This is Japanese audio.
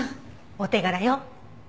お手柄よ。